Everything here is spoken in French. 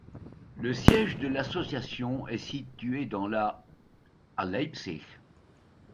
Le siège de l'association est situé dans la à Leipzig.